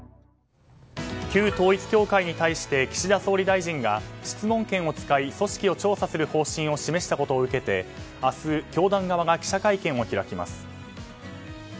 旧統一教会に対して岸田総理大臣が質問権を使い組織を調査する方針を示したことを受けて明日、教団側が記者会見を開きます。